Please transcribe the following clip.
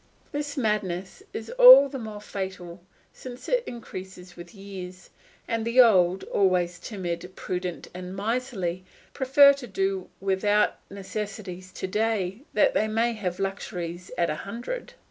This madness is all the more fatal since it increases with years, and the old, always timid, prudent, and miserly, prefer to do without necessaries to day that they may have luxuries at a hundred.